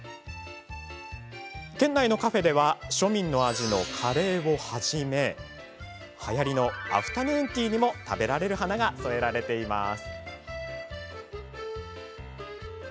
県内のカフェでは庶民の味のカレーをはじめはやりのアフタヌーンティーにも食べられる花が添えられています。